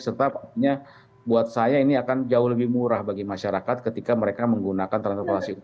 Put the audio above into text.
serta pastinya buat saya ini akan jauh lebih murah bagi masyarakat ketika mereka menggunakan transportasi umum